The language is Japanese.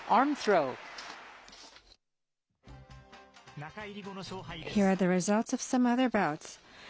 中入り後の勝敗です。